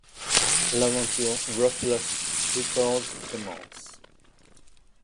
L'aventure Ruthless Records commence.